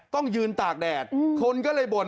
ต้องยืนตากแดดคนก็เลยบ่น